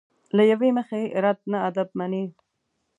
له یوې مخې رد نه ادب مني.